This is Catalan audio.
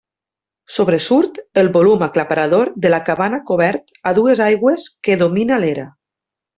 Sobresurt el volum aclaparador de la cabana cobert a dues aigües que domina l'era.